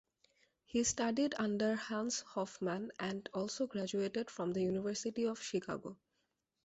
He studied under Hans Hofmann, and also graduated from the University of Chicago.